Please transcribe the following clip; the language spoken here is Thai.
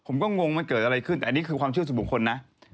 งงมันเกิดอะไรขึ้นแต่อันนี้คือความเชื่อสู่บุคคลนะ